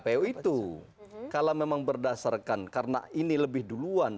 pertanyaan yang saya ingin berikan kepada anda adalah